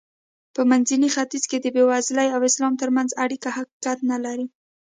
په منځني ختیځ کې د بېوزلۍ او اسلام ترمنځ اړیکه حقیقت نه لري.